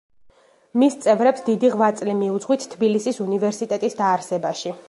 მის წევრებს დიდი ღვაწლი მიუძღვით თბილისის უნივერსიტეტის დაარსებაში.